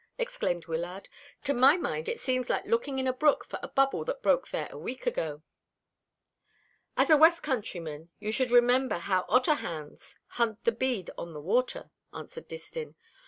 exclaimed Wyllard. "To my mind it seems like looking in a brook for a bubble that broke there a week ago." "As a west countryman you should remember how otter hounds hunt the bead on the water," answered Distin.